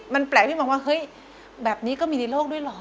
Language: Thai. มันแปลกที่มองว่าเฮ้ยแบบนี้ก็มีในโลกด้วยเหรอ